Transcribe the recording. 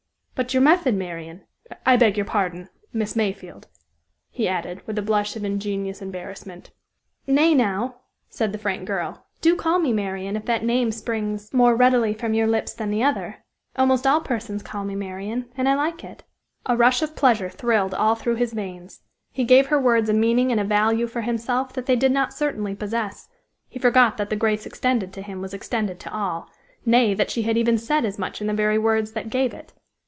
But your method, Marian? I beg your pardon, Miss Mayfield," he added, with a blush of ingenuous embarrassment. "Nay, now," said the frank girl; "do call me Marian if that name springs more readily from your lips than the other. Almost all persons call me Marian, and I like it." A rush of pleasure thrilled all through his veins; he gave her words a meaning and a value for himself that they did not certainly possess; he forgot that the grace extended to him was extended to all nay, that she had even said as much in the very words that gave it.